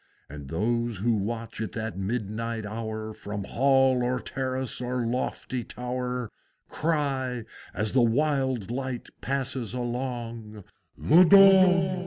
And those who watch at that midnight hour From Hall or Terrace or lofty Tower, Cry, as the wild light passes along, "The Dong!